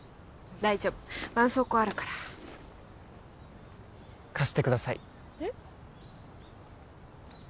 大丈夫ばんそうこうあるからかしてくださいえっ？